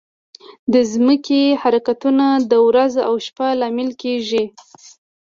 د ځمکې حرکتونه د ورځ او شپه لامل کېږي.